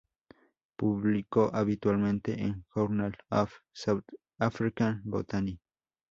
Publicó habitualmente en Journal of South African Botany.